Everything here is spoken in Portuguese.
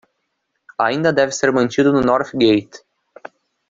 Ainda deve ser mantido no North Gate